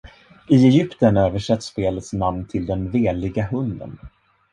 I Egypten översätts spelets namn till "Den Veliga Hunden".